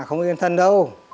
không yên thân đâu